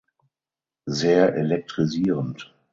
Sehr elektrisierend.